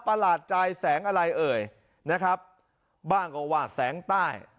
หลาดใจแสงอะไรเอ่ยนะครับบ้างก็ว่าแสงใต้